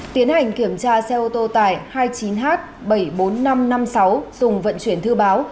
tiến hành kiểm tra xe ô tô tải hai mươi chín h bảy mươi bốn nghìn năm trăm năm mươi sáu dùng vận chuyển thư báo